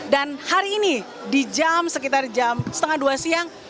dan hari ini di jam sekitar jam setengah dua siang